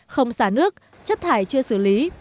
không xả nước chất thải chưa xử lý